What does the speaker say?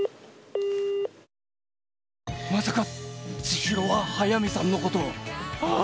まさか、知博は速見さんのことを？